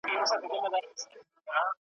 د لېوه بچی د پلار په څېر لېوه وي `